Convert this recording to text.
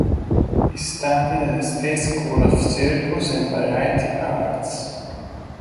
He studied at the State School of Circus and Variety Arts.